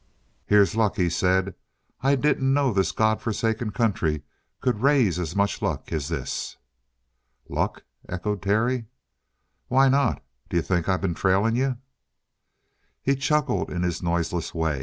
"Here's luck," he said. "I didn't know this God forsaken country could raise as much luck as this!" "Luck?" echoed Terry. "Why not? D'you think I been trailing you?" He chuckled in his noiseless way.